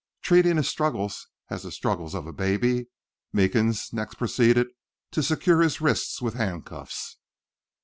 Treating his struggles as the struggles of a baby, Meekins next proceeded to secure his wrists with handcuffs.